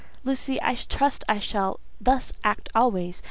"Lucy, I trust I shall thus act always.